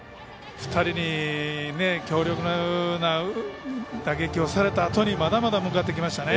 ２人に強力な打撃をされたあとにまだまだ向かっていきましたね。